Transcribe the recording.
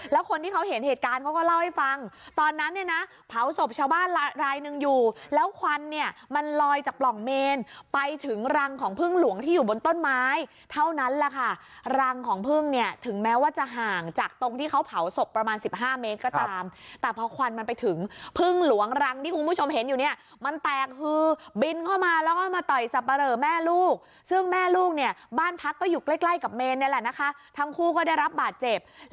แล้วคนที่เขาเห็นเหตุการณ์เขาก็เล่าให้ฟังตอนนั้นเนี้ยนะเผาศพชาวบ้านรายรายหนึ่งอยู่แล้วควันเนี้ยมันลอยจากปล่องเมนไปถึงรังของพึ่งหลวงที่อยู่บนต้นไม้เท่านั้นแหละค่ะรังของพึ่งเนี้ยถึงแม้ว่าจะห่างจากตรงที่เขาเผาศพประมาณสิบห้าเมตรก็ตามแต่พอควันมันไปถึงพึ่งหลวงรังที่คุณผู้ช